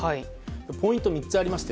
ポイント３つありまして